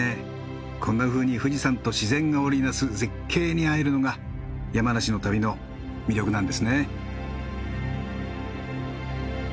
こんなふうに富士山と自然が織り成す絶景に会えるのが山梨の旅の魅力なんですね。